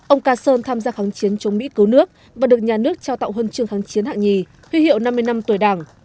ông ca sơn tham gia kháng chiến chống mỹ cứu nước và được nhà nước trao tạo huân chương kháng chiến hạng nhì huy hiệu năm mươi năm tuổi đảng